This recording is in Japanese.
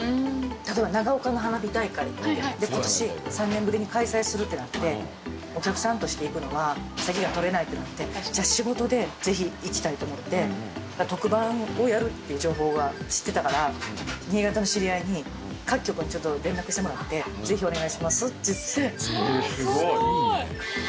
例えば長岡の花火大会、ことし、３年ぶりに開催するってなって、お客さんとして行くのは、席が取れないってなって、じゃあ仕事でぜひ行きたいと思って、特番をやるっていう情報が知ってたから、新潟の知り合いに、各局にちょくで連絡してもらって、ぜひお願いしますって言って。